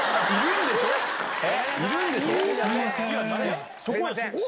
そうです。